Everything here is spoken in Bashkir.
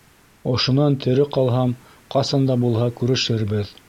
Ошонан тере ҡалһам, ҡасан да булһа күрешербеҙ.